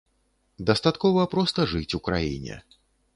Дастаткова проста жыць у краіне.